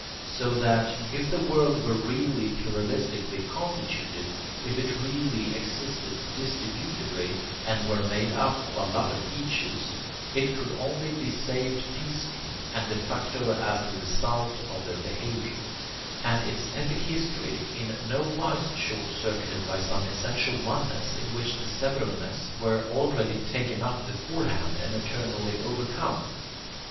So that, if the world were really pluralistically constituted, if it really existed distributively and were made up of a lot of eaches, it could only be saved piecemeal and de facto as the result of their behavior, and its epic history in no wise short circuited by some essential oneness in which the severalness were already 'taken up' beforehand and eternally 'overcome'?